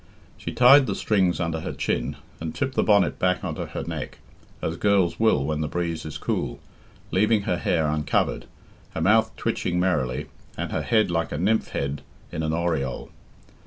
She tied the strings under her chin, and tipped the bonnet back on to her neck, as girls will when the breeze is cool, leaving her hair uncovered, her mouth twitching merrily, and her head like a nymph head in an aureole.